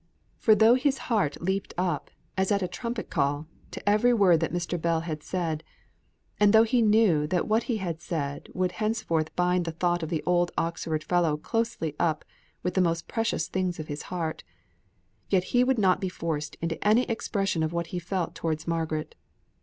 For though his heart leaped up, as at a trumpet call, to every word that Mr. Bell had said, and though he knew that what he had said would henceforward bind the thought of the old Oxford Fellow closely up with the most precious things of his heart, yet he would not be forced into any expression of what he felt towards Margaret.